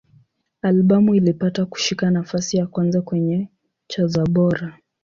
Albamu ilipata kushika nafasi ya kwanza kwenye cha za Bora.